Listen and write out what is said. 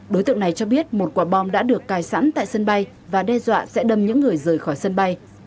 đối tượng này cho biết một quả bom đã được cài sẵn tại sân bay và đe dọa sẽ đâm những người rời khỏi sân bay